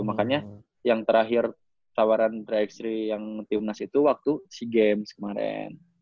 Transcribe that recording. makanya yang terakhir tawaran tiga x tiga yang timnas itu waktu sea games kemarin